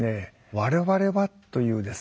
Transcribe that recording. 「我々は」というですね